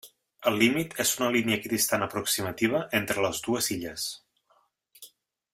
El límit és una línia equidistant aproximativa entre les dues illes.